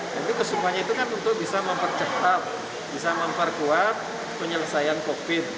jadi kesempatannya itu kan untuk bisa mempercepat bisa memperkuat penyelesaian covid